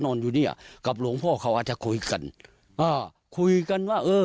อยู่เนี้ยกับหลวงพ่อเขาอาจจะคุยกันอ่าคุยกันว่าเออ